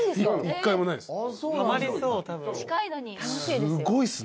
一回もないです。